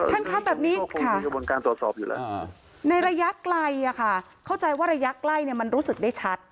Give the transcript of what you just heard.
ท่านครับแบบนี้ค่ะในระยะไกลค่ะเข้าใจว่าระยะไกลมันรู้สึกได้ชัด